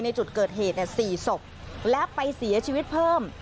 ในจุดเกิดเหตุ๔ศพและไปเสียชีวิตเพิ่ม